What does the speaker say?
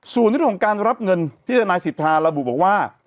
ส่วนเรื่องของการรับเงินที่ทนายสิทธาระบุบอกว่า